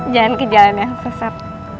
jangan ke jalan yang sesak